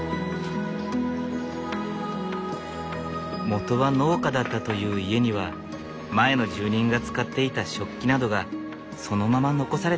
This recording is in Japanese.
元は農家だったという家には前の住人が使っていた食器などがそのまま残されていた。